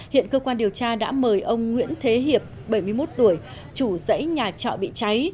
hiện cơ quan điều tra đã mời ông nguyễn thế hiệp bảy mươi một tuổi chủ dãy nhà trọ bị cháy